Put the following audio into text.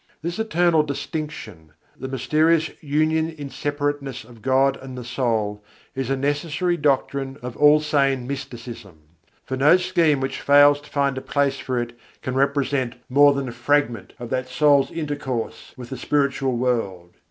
This eternal distinction, the mysterious union in separateness of God and the soul, is a necessary doctrine of all sane mysticism; for no scheme which fails to find a place for it can represent more than a fragment of that soul's intercourse with the spiritual world.